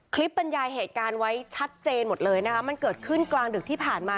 บรรยายเหตุการณ์ไว้ชัดเจนหมดเลยนะคะมันเกิดขึ้นกลางดึกที่ผ่านมา